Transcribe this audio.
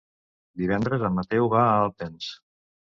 Divendres en Mateu va a Alpens.